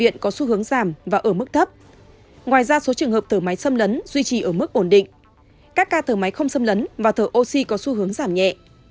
ngoài ra số trường hợp thở máy xâm lấn duy trì ở mức ổn định các ca thở máy không xâm lấn và thở oxy có xu hướng giảm nhẹ